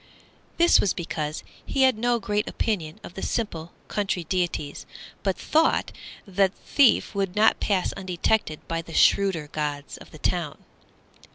This was because he had no great opinion of the simple country deities, but thought that the thief would not pass undetected by the shrewder gods of the town.